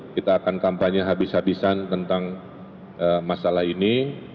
kita akan kampanye habis habisan tentang masalah ini